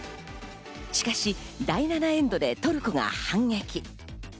しかし第７エンドでトルコが反撃。